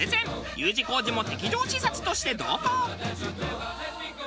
Ｕ字工事も敵情視察として同行！